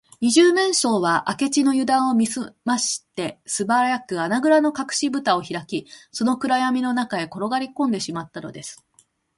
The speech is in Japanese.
二十面相は明智のゆだんを見すまして、すばやく穴ぐらのかくしぶたをひらき、その暗やみの中へころがりこんでしまったのです